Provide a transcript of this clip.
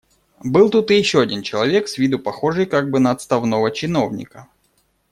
Был тут и еще один человек, с виду похожий как бы на отставного чиновника.